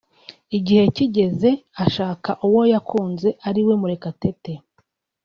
igihe kigeze ashaka uwo yakunze ariwe Murekatete